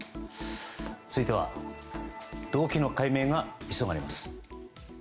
続いては動機の解明が急がれます。